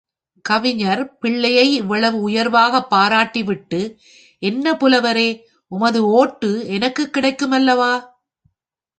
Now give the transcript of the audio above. கவிஞர் பிள்ளையை இவ்வளவு உயர்வாகப் பாராட்டி விட்டு, என்ன புலவரே உமது ஓட்டு எனக்குக் கிடைக்கும் அல்லவா?